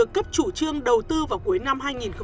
cấp chủ trương đầu tư vào cuối năm hai nghìn một mươi năm